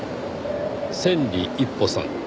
千里一歩さん。